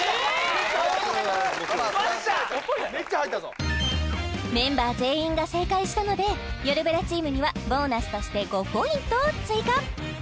めっちゃ入っためっちゃ入ったぞメンバー全員が正解したのでよるブラチームにはボーナスとして５ポイントを追加